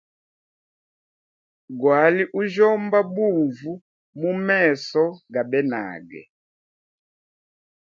Gwali ujyomba bunvu mu meso gabenage.